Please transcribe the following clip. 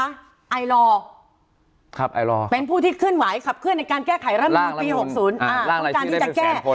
ไอลอร์เป็นผู้ที่ขึ้นไหวขับเคลื่อนในการแก้ไขรัฐธรรมนูนปี๖๐